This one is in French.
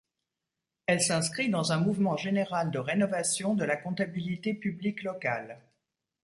Elle s'inscrit dans un mouvement général de rénovation de la comptabilité publique locale.